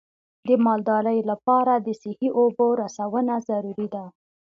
د مالدارۍ لپاره د صحي اوبو رسونه ضروري ده.